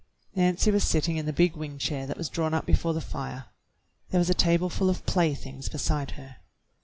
Nancy was sitting in the big wing chair that was drawn up before the fire. There was a table full of playthings beside her.